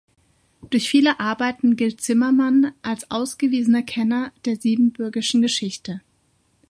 Durch viele Arbeiten gilt Zimmermann als ausgewiesener Kenner der siebenbürgischen Geschichte.